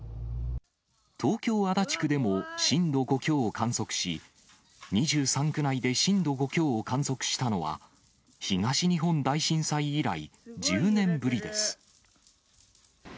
東京・足立区でも震度５強を観測し、２３区内で震度５強を観測したのは、東日本大震災以来、１０年ぶりです。